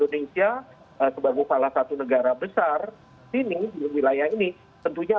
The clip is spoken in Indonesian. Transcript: oke pak bayu